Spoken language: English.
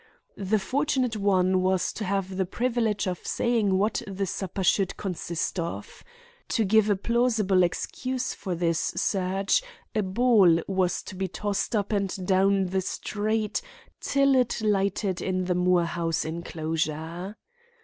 The fortunate one was to have the privilege of saying what the supper should consist of. To give a plausible excuse for this search, a ball was to be tossed up and down the street till it lighted in the Moore house inclosure.